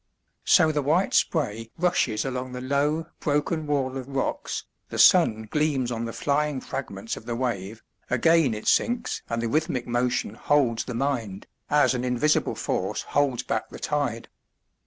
So the white spray rushes along the low broken wall of rocks, the sun gleams on the flying fragments of the wave, again it sinks and the rhythmic motion holds the mind, as an invisible force holds back the tide.